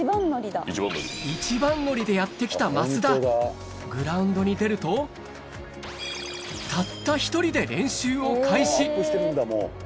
一番乗りでやって来た増田グラウンドに出るとたったアップしてるんだもう。